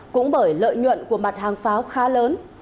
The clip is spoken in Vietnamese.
cũng bởi lợi nhuận của mặt hàng pháo khá lớn